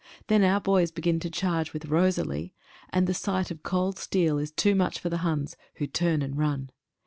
Then our boys begin to charge with "Rosalie," and the sight of cold steel is too much for the Huns, who turn and run.